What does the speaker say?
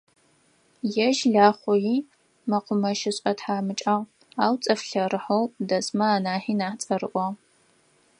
Ежь Лахъуи мэкъумэщышӏэ тхьамыкӏагъ, ау цӏыф лъэрыхьэу дэсмэ анахьи нахь цӏэрыӏуагъ.